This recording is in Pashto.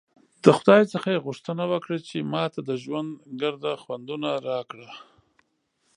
د خدای څخه ېې غوښتنه وکړه چې ماته د ژوند ګرده خوندونه راکړه!